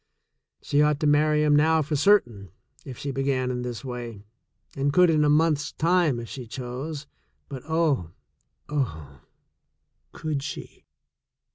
She ought to marry him now for certain, if she began in this way, and could in a month's time if she chose, but oh, oh — could she?